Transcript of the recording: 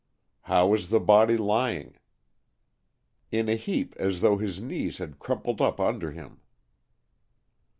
"How was the body lying?" "In a heap, as though his knees had crumpled up under him."